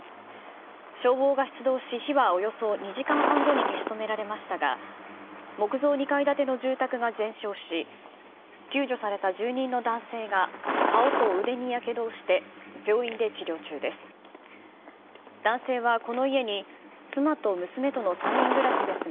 消防が出動し、火はおよそ２時間後に消し止められましたが、木造２階建ての住宅が全焼し、救助された住人の男性が顔と腕にやけどをして、病院で治療中です。